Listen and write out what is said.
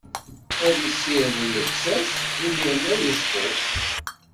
Ad issired llebsa-s, imiren ad iṣfu.